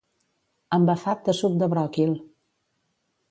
Embafat de suc de bròquil.